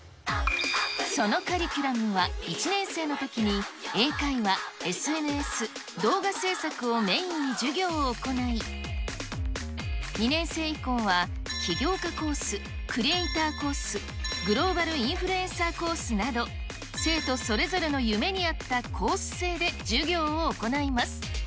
そのカリキュラムは１年生のときに英会話、ＳＮＳ、動画制作をメインに授業を行い、２年生以降は、起業家コース、クリエイターコース、グローバルインフルエンサーコースなど、生徒それぞれの夢に合ったコース制で授業を行います。